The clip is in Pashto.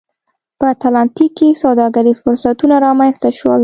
په اتلانتیک کې سوداګریز فرصتونه رامنځته شول.